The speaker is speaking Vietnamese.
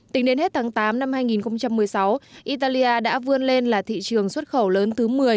tính đến hết tháng tám năm hai nghìn một mươi sáu italia đã vươn lên là thị trường xuất khẩu lớn thứ một mươi